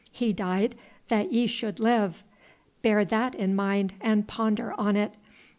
He died that ye should live! Bear that in mind and ponder on it.